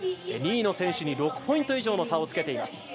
２位の選手に６ポイント以上の差をつけています。